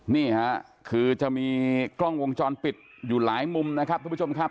นี่ค่ะคือจะมีกล้องวงจรปิดอยู่หลายมุมนะครับทุกผู้ชมครับ